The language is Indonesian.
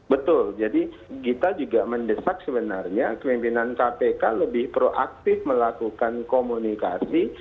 betul jadi kita juga mendesak sebenarnya pimpinan kpk lebih proaktif melakukan komunikasi